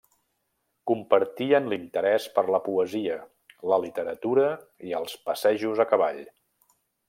Compartien l'interès per la poesia, la literatura i els passejos a cavall.